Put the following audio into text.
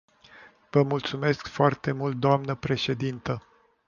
Vă mulțumesc foarte mult, dnă președintă.